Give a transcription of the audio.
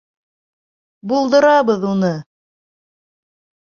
Булдырабыҙ уны!